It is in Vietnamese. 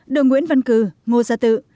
đường nguyễn văn cư ngô gia tự